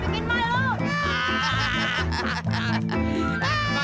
bikin mah lo